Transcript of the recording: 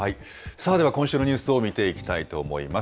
では、今週のニュースを見ていきたいと思います。